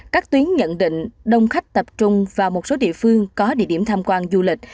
các tuyến nhận định đông khách tập trung vào một số địa phương có địa điểm tham quan du lịch